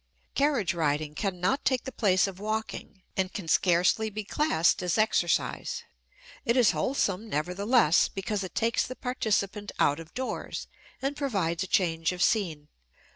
Carriage riding cannot take the place of walking and can scarcely be classed as exercise; it is wholesome, nevertheless, because it takes the participant out of doors and provides a change of scene.